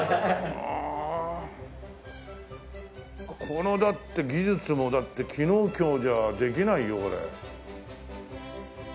このだって技術もだって昨日今日じゃできないよこれ。